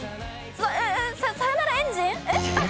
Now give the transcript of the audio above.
「さよならエンジン」？